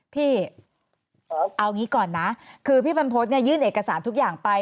พี่เอางี้ก่อนนะคือพี่บรรพฤษเนี่ยยื่นเอกสารทุกอย่างไป